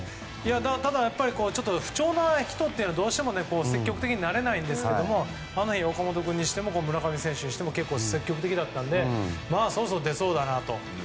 ただ、やっぱり不調な人というのはどうしても積極的になれないんですが岡本君にしても村上君にしても結構積極的だったのでそろそろ出そうだなと。